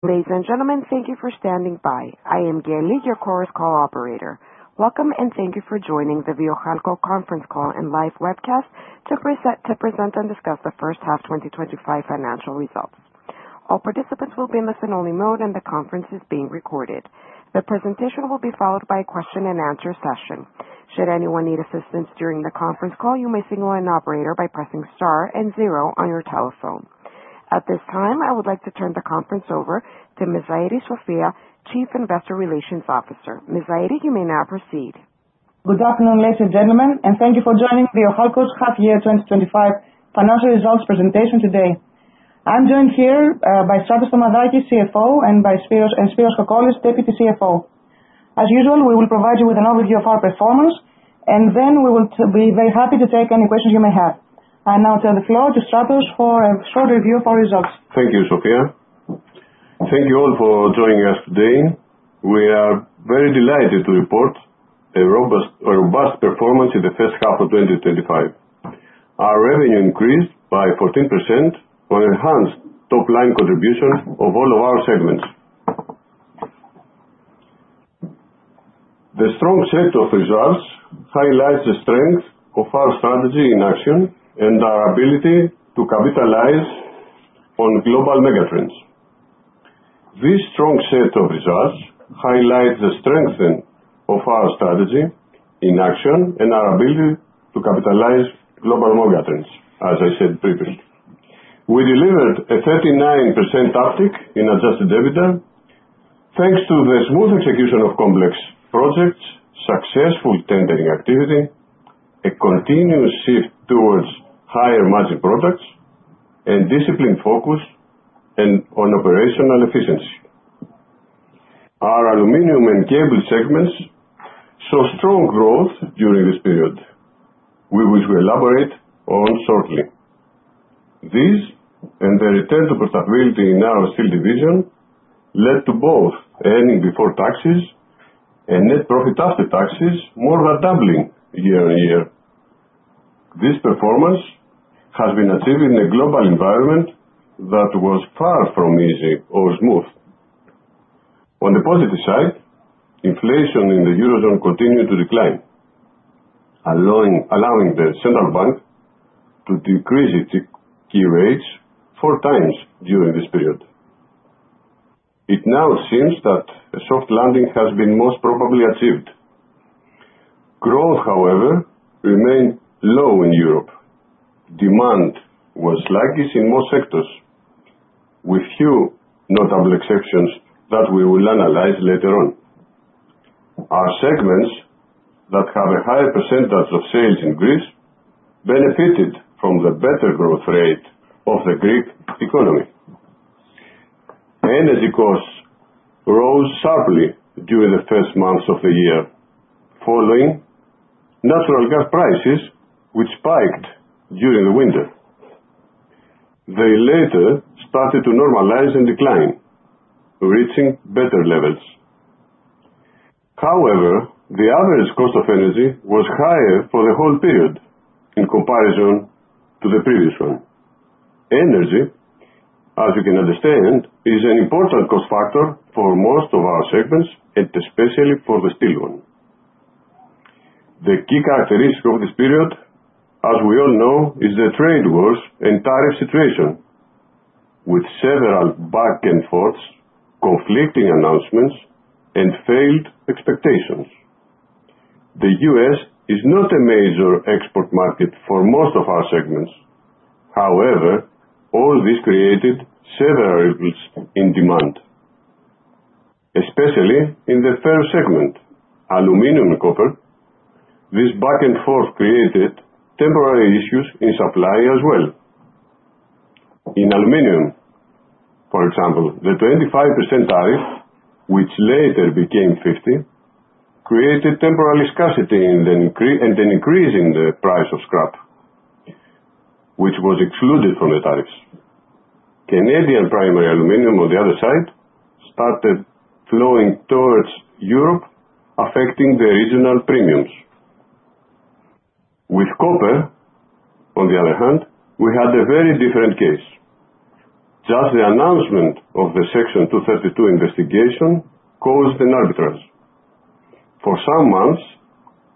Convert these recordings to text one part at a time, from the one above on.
Ladies and gentlemen, thank you for standing by. I am Gail, your Chorus Call operator. Welcome, and thank you for joining the Viohalco conference call and live webcast to present and discuss the first half 2025 financial results. All participants will be in listen only mode and the conference is being recorded. The presentation will be followed by a question and answer session. Should anyone need assistance during the conference call, you may signal an operator by pressing star and zero on your telephone. At this time, I would like to turn the conference over to Ms. Zairi Sofia, Chief Investor Relations Officer. Ms. Sofia, you may now proceed. Good afternoon, ladies and gentlemen, and thank you for joining Viohalco's half year 2025 financial results presentation today. I am joined here by Stratos Thomadakis, CFO, and by Spyridon Kokkolis, Deputy CFO. As usual, we will provide you with an overview of our performance, and then we will be very happy to take any questions you may have. I now turn the floor to Stratos for a short review of our results. Thank you, Sofia. Thank you all for joining us today. We are very delighted to report a robust performance in the first half of 2025. Our revenue increased by 14% on enhanced top-line contribution of all of our segments. The strong set of results highlights the strength of our strategy in action and our ability to capitalize on global megatrends. This strong set of results highlights the strength of our strategy in action and our ability to capitalize global megatrends, as I said previously. We delivered a 39% uptick in Adjusted EBITDA, thanks to the smooth execution of complex projects, successful tendering activity, a continuous shift towards higher margin products, and disciplined focus on operational efficiency. Our aluminum and cable segments saw strong growth during this period, which we will elaborate on shortly. These and the return to profitability in our steel division led to both earnings before taxes and net profit after taxes more than doubling year-on-year. This performance has been achieved in a global environment that was far from easy or smooth. On the positive side, inflation in the Eurozone continued to decline, allowing the central bank to decrease its key rates four times during this period. It now seems that a soft landing has been most probably achieved. Growth, however, remained low in Europe. Demand was sluggish in most sectors, with few notable exceptions that we will analyze later on. Our segments that have a higher percentage of sales in Greece benefited from the better growth rate of the Greek economy. Energy costs rose sharply during the first months of the year, following natural gas prices, which spiked during the winter. They later started to normalize and decline, reaching better levels. However, the average cost of energy was higher for the whole period in comparison to the previous one. Energy, as you can understand, is an important cost factor for most of our segments, and especially for the steel one. The key characteristic of this period, as we all know, is the trade wars and tariff situation, with several back and forth conflicting announcements and failed expectations. The U.S. is not a major export market for most of our segments. However, all this created several ripples in demand, especially in the first segment, aluminum and copper. This back and forth created temporary issues in supply as well. In aluminum, for example, the 25% tariff, which later became 50%, created temporary scarcity and an increase in the price of scrap, which was excluded from the tariffs. Canadian primary aluminum, on the other side, started flowing towards Europe, affecting the original premiums. With copper, on the other hand, we had a very different case. Just the announcement of the Section 232 investigation caused an arbitrage. For some months,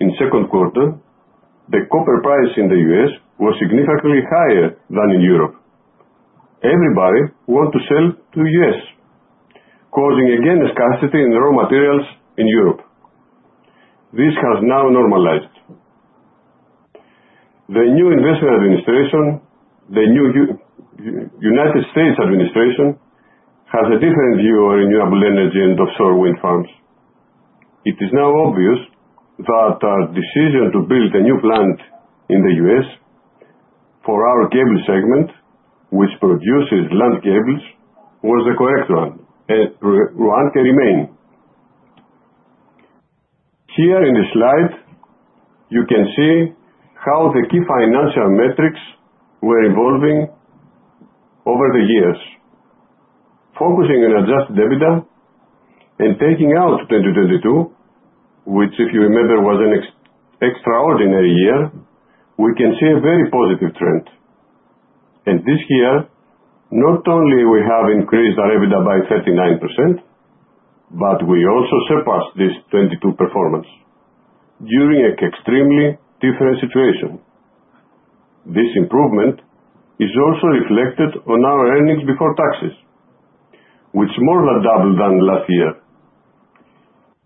in the second quarter, the copper price in the U.S. was significantly higher than in Europe. Everybody want to sell to U.S., causing again a scarcity in raw materials in Europe. This has now normalized. The new United States administration has a different view on renewable energy and offshore wind farms. It is now obvious that our decision to build a new plant in the U.S. for our cable segment, which produces land cables, was the correct one and can remain. Here in this slide, you can see how the key financial metrics were evolving over the years. Focusing on Adjusted EBITDA. Taking out 2022, which, if you remember, was an extraordinary year, we can see a very positive trend. This year, not only we have increased our EBITDA by 39%, but we also surpassed this 2022 performance during an extremely different situation. This improvement is also reflected on our earnings before taxes, which more than doubled than last year.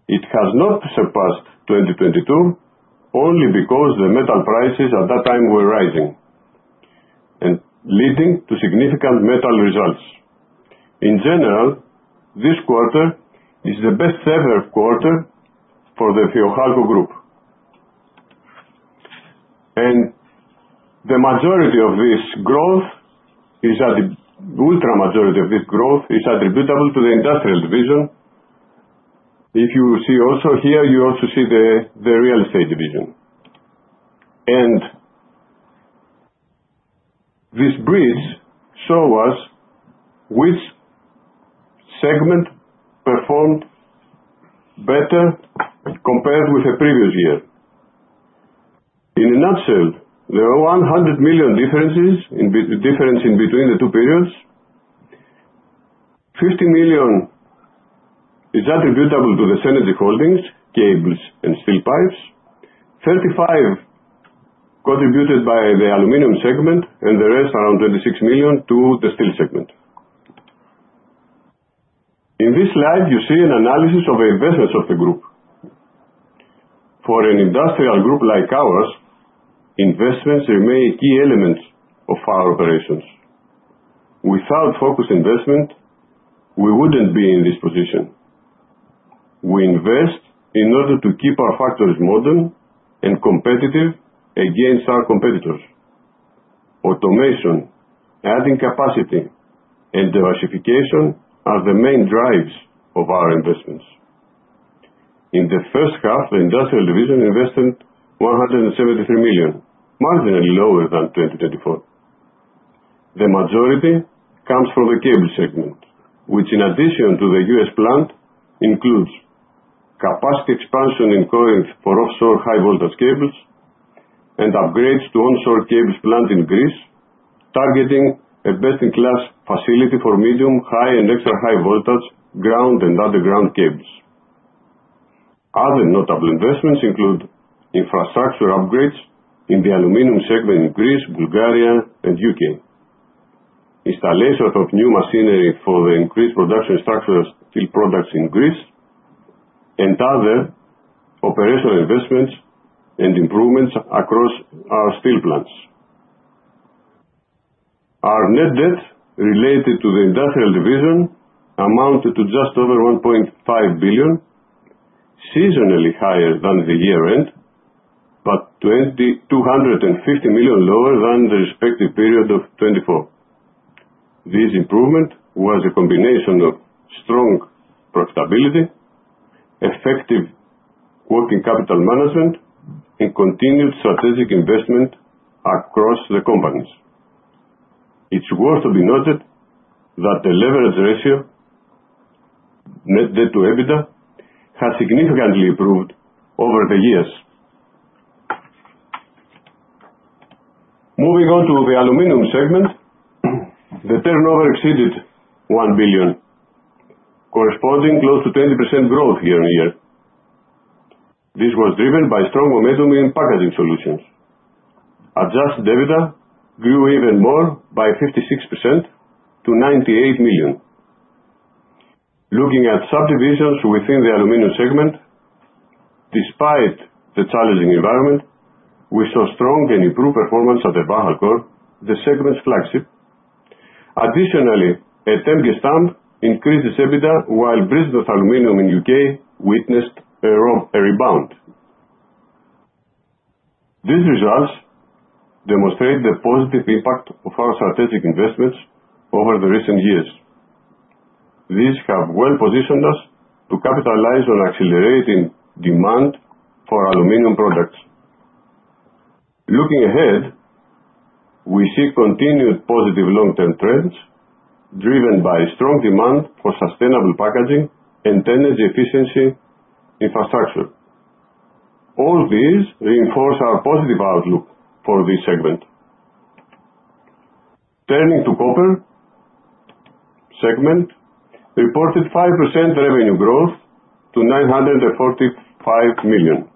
It has not surpassed 2022 only because the metal prices at that time were rising and leading to significant metal results. In general, this quarter is the best-ever quarter for the Viohalco Group. The Ultra majority of this growth is attributable to the industrial division. If you see also here, you also see the real estate division. This bridge show us which segment performed better compared with the previous year. In a nutshell, there are 100 million difference in between the two periods. 50 million is attributable to the Cenergy Holdings, cables, and steel pipes. 35 million contributed by the aluminum segment, and the rest, around 36 million, to the steel segment. In this slide, you see an analysis of investments of the group. For an industrial group like ours, investments remain key elements of our operations. Without focused investment, we wouldn't be in this position. We invest in order to keep our factories modern and competitive against our competitors. Automation, adding capacity, and diversification are the main drives of our investments. In the first half, the industrial division invested 173 million, marginally lower than 2024. The majority comes from the cable segment, which, in addition to the U.S. plant, includes capacity expansion in Corinth for offshore high voltage cables and upgrades to onshore cables plant in Greece, targeting a best-in-class facility for medium, high, and extra high voltage ground and underground cables. Other notable investments include infrastructure upgrades in the aluminum segment in Greece, Bulgaria, and U.K. Installation of new machinery for the increased production structures steel products in Greece and other operational investments and improvements across our steel plants. Our net debt related to the industrial division amounted to just over 1.5 billion, seasonally higher than the year-end, but 250 million lower than the respective period of 2024. This improvement was a combination of strong profitability, effective working capital management, and continued strategic investment across the companies. It's worth to be noted that the leverage ratio, net debt to EBITDA, has significantly improved over the years. Moving on to the aluminum segment, the turnover exceeded 1 billion, corresponding close to 20% growth year-on-year. This was driven by strong momentum in packaging solutions. Adjusted EBITDA grew even more by 56% to 98 million. Looking at subdivisions within the aluminum segment, despite the challenging environment, we saw strong and improved performance at ElvalHalcor, the segment's flagship. Additionally, Etem Gestamp increased its EBITDA, while Bridgnorth Aluminium in U.K. witnessed a rebound. These results demonstrate the positive impact of our strategic investments over the recent years. These have well positioned us to capitalize on accelerating demand for aluminum products. Looking ahead, we see continued positive long-term trends driven by strong demand for sustainable packaging and energy efficiency infrastructure. All these reinforce our positive outlook for this segment. Turning to copper segment, reported 5% revenue growth to 945 million.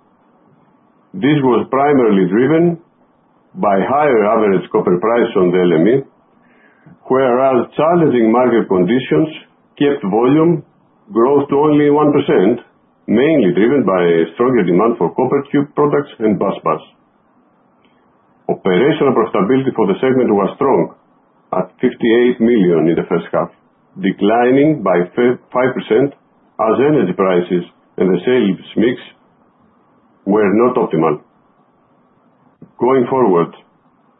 This was primarily driven by higher average copper price on the LME, whereas challenging market conditions kept volume growth to only 1%, mainly driven by a stronger demand for copper tube products and busbar. Operational profitability for the segment was strong at 58 million in the first half, declining by 5% as energy prices and the sales mix were not optimal. Going forward,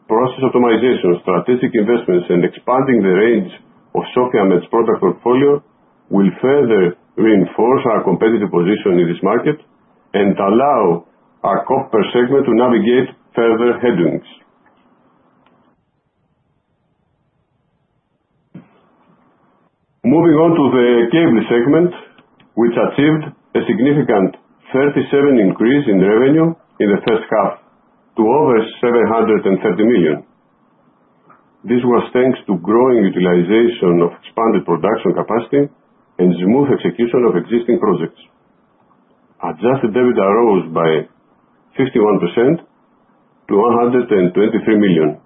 process optimization, strategic investments, and expanding the range of Sofia Med's product portfolio will further reinforce our competitive position in this market and allow our copper segment to navigate further headwinds. Moving on to the cable segment, which achieved a significant 37% increase in revenue in the first half to over 730 million. This was thanks to growing utilization of expanded production capacity and smooth execution of existing projects. Adjusted EBITDA rose by 51% to 123 million.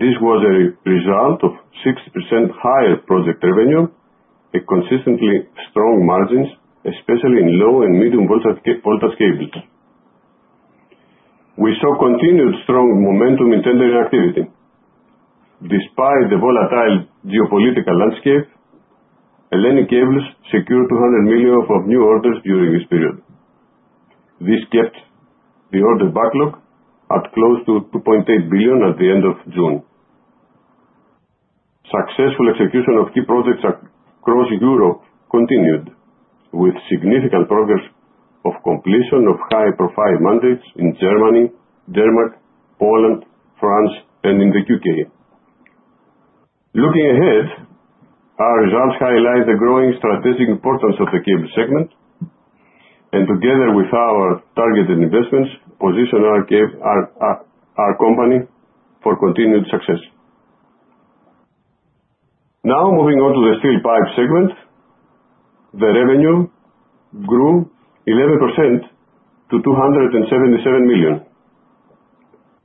This was a result of 6% higher project revenue and consistently strong margins, especially in low and medium voltage cables. We saw continued strong momentum in tendering activity. Despite the volatile geopolitical landscape, Hellenic Cables secured 200 million of new orders during this period. This kept the order backlog at close to 2.8 billion at the end of June. Successful execution of key projects across Europe continued, with significant progress of completion of high-profile mandates in Germany, Denmark, Poland, France, and in the U.K. Looking ahead, our results highlight the growing strategic importance of the cable segment, and together with our targeted investments, position our company for continued success. Moving on to the steel pipe segment. The revenue grew 11% to 277 million.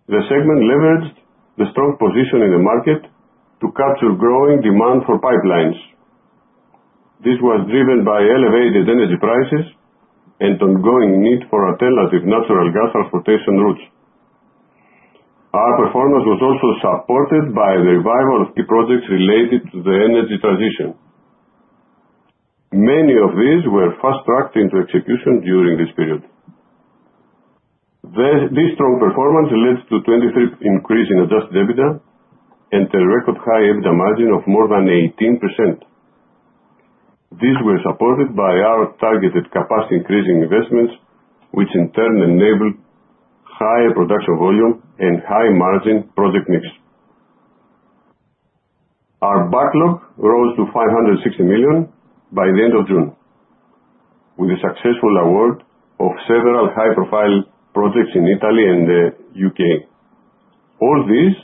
The segment leveraged the strong position in the market to capture growing demand for pipelines. This was driven by elevated energy prices and the ongoing need for alternative natural gas transportation routes. Our performance was also supported by the revival of key projects related to the energy transition. Many of these were fast-tracked into execution during this period. This strong performance led to 23% increase in Adjusted EBITDA and a record high EBITDA margin of more than 18%. These were supported by our targeted capacity-increasing investments, which in turn enabled higher production volume and higher margin project mix. Our backlog rose to 560 million by the end of June, with the successful award of several high-profile projects in Italy and the U.K. All this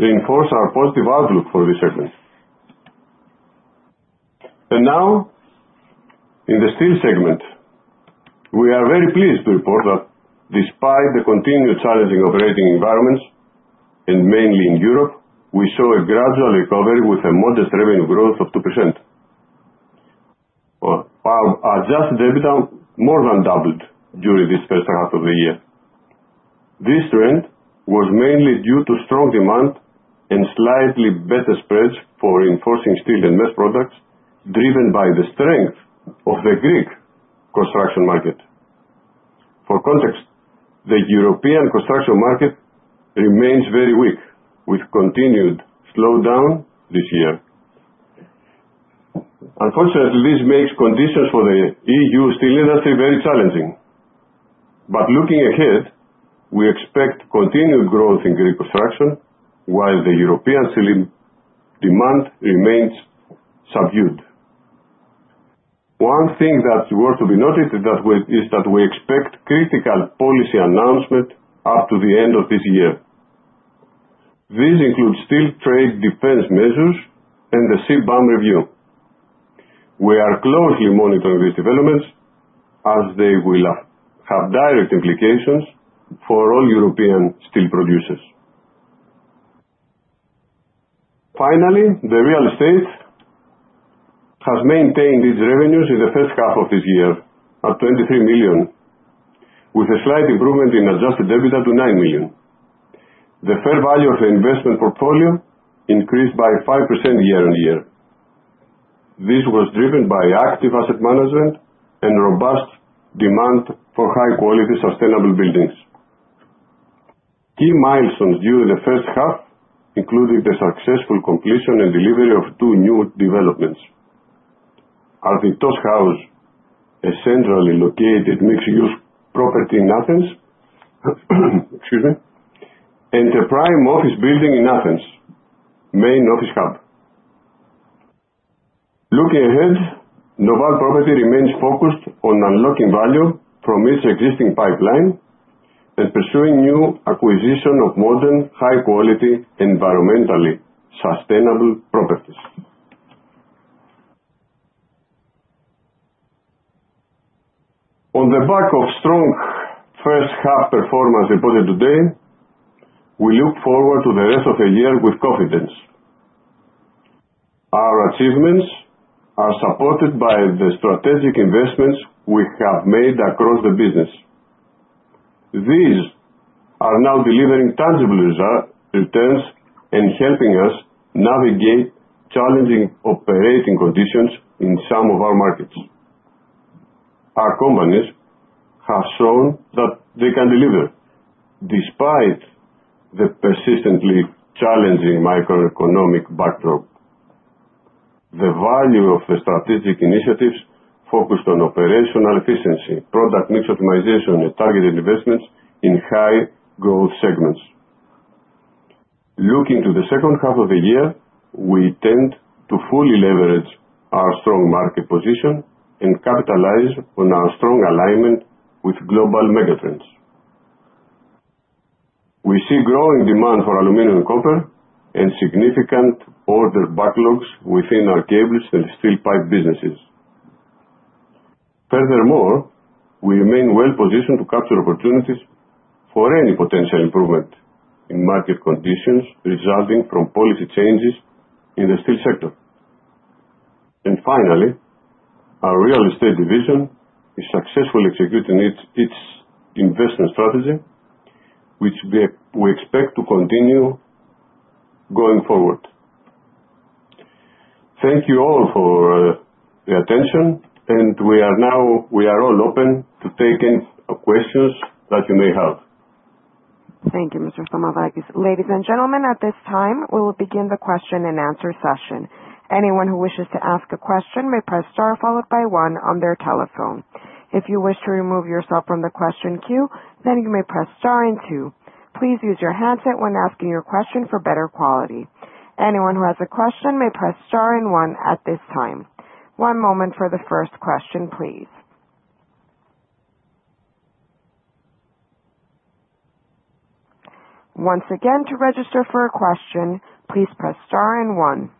reinforce our positive outlook for this segment. Now, in the steel segment, we are very pleased to report that despite the continued challenging operating environments, mainly in Europe, we saw a gradual recovery with a modest revenue growth of 2%. Our Adjusted EBITDA more than doubled during this first half of the year. This trend was mainly due to strong demand and slightly better spreads for reinforcing steel and mesh products, driven by the strength of the Greek construction market. For context, the European construction market remains very weak, with continued slowdown this year. Unfortunately, this makes conditions for the EU steel industry very challenging. Looking ahead, we expect continued growth in Greek construction while the European steel demand remains subdued. One thing that is worth to be noted is that we expect critical policy announcement up to the end of this year. These include steel trade defense measures and the CBAM review. We are closely monitoring these developments, as they will have direct implications for all European steel producers. Finally, the real estate has maintained its revenues in the first half of this year at 23 million, with a slight improvement in Adjusted EBITDA to 9 million. The fair value of the investment portfolio increased by 5% year-on-year. This was driven by active asset management and robust demand for high-quality, sustainable buildings. Key milestones during the first half included the successful completion and delivery of two new developments. Attikos House, a centrally located mixed-use property in Athens. Excuse me. A prime office building in Athens' main office hub. Looking ahead, Noval Property remains focused on unlocking value from its existing pipeline and pursuing new acquisition of modern, high-quality, environmentally sustainable properties. On the back of strong first half performance reported today, we look forward to the rest of the year with confidence. Our achievements are supported by the strategic investments we have made across the business. These are now delivering tangible returns and helping us navigate challenging operating conditions in some of our markets. Our companies have shown that they can deliver despite the persistently challenging macroeconomic backdrop. The value of the strategic initiatives focused on operational efficiency, product mix optimization, and targeted investments in high-growth segments. Looking to the second half of the year, we tend to fully leverage our strong market position and capitalize on our strong alignment with global mega trends. We see growing demand for aluminum, copper, and significant order backlogs within our cables and steel pipe businesses. Furthermore, we remain well-positioned to capture opportunities for any potential improvement in market conditions resulting from policy changes in the steel sector. Finally, our real estate division is successfully executing its investment strategy, which we expect to continue going forward. Thank you all for the attention, and we are now all open to taking questions that you may have. Thank you, Mr. Thomadakis. Ladies and gentlemen, at this time, we will begin the question-and-answer session. Anyone who wishes to ask a question may press star followed by one on their telephone. If you wish to remove yourself from the question queue, then you may press star and two. Please use your handset when asking your question for better quality. Anyone who has a question may press star and one at this time. One moment for the first question, please. Once again, to register for a question, please press star and one.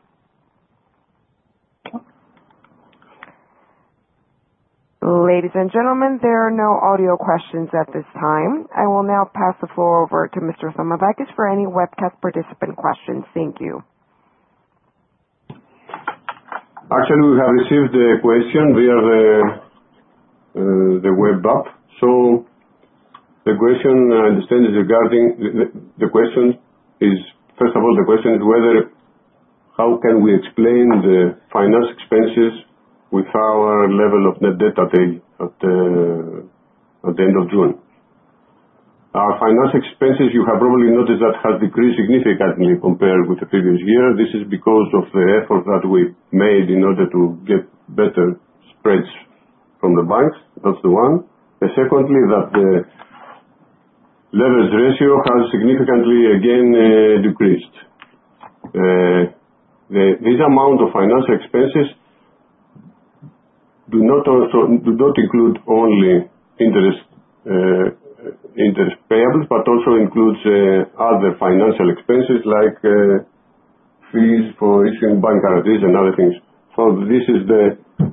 Ladies and gentlemen, there are no audio questions at this time. I will now pass the floor over to Mr. Thomadakis for any webcast participant questions. Thank you. Actually, we have received a question via the web app. The question, I understand, the question is, first of all, the question is how can we explain the finance expenses with our level of net debt at the end of June? Our finance expenses, you have probably noticed, that has decreased significantly compared with the previous year. This is because of the effort that we made in order to get better spreads from the banks. That's one. Secondly, that the leverage ratio has significantly, again, decreased. This amount of financial expenses do not include only interest payables, but also includes other financial expenses like fees for issuing bank guarantees and other things. This is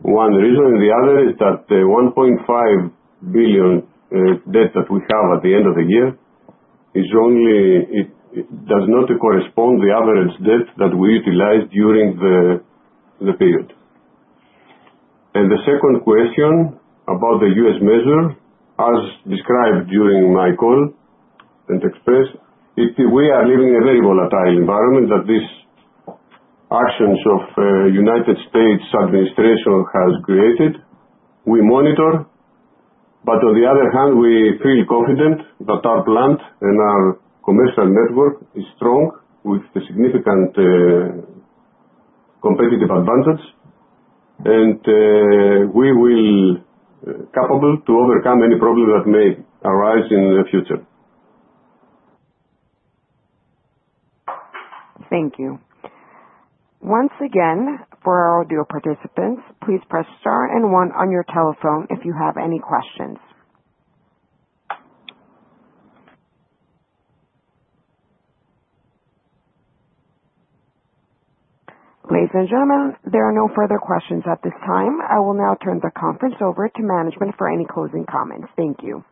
one reason, and the other is that the 1.5 billion debt that we have at the end of the year does not correspond to the average debt that we utilized during the period. The second question about the U.S. measure, as described during my call and expressed, we are living in a very volatile environment that these actions of U.S. administration has created. We monitor, but on the other hand, we feel confident that our plant and our commercial network is strong with a significant competitive advantage, and we will be capable to overcome any problem that may arise in the future. Thank you. Once again, for our audio participants, please press star and one on your telephone if you have any questions. Ladies and gentlemen, there are no further questions at this time. I will now turn the conference over to management for any closing comments. Thank you.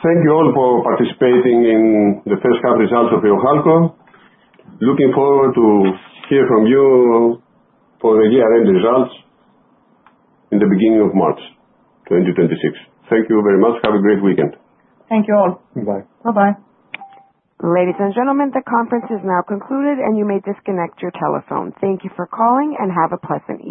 Thank you all for participating in the first half results of Viohalco. Looking forward to hear from you for the year-end results in the beginning of March 2026. Thank you very much. Have a great weekend. Thank you all. Bye. Bye-bye. Ladies and gentlemen, the conference is now concluded, and you may disconnect your telephone. Thank you for calling and have a pleasant evening.